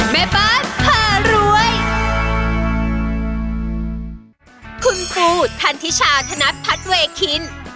แม่บ้านพารวย